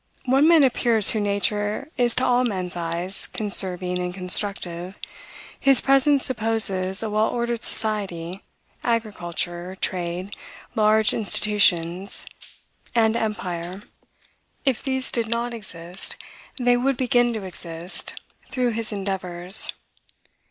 One man appears whose nature is to all men's eyes conserving and constructive; his presence supposes a well ordered society, agriculture, trade, large institutions, and empire. If these did not exist, they would begin to exist through his endeavors.